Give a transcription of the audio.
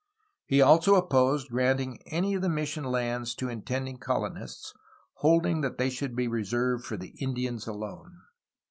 He also op posed granting any of the mission lands to intending colon ists, holding that they should be reserved for the Indians alone.